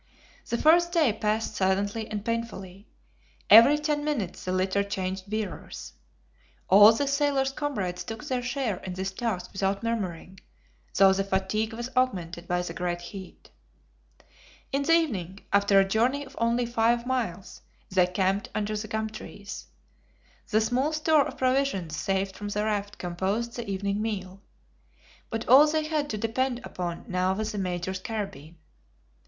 The first day passed silently and painfully. Every ten minutes the litter changed bearers. All the sailor's comrades took their share in this task without murmuring, though the fatigue was augmented by the great heat. In the evening, after a journey of only five miles, they camped under the gum trees. The small store of provisions saved from the raft composed the evening meal. But all they had to depend upon now was the Major's carbine.